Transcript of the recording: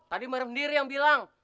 tadi sendiri yang bilang